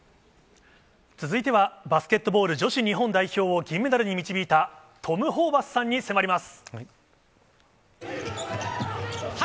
続いてはバスケットボール女子日本代表を銀メダルに導いたトム・ホーバスさんに迫ります。